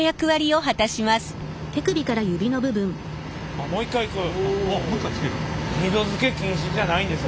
あっもう一回いく。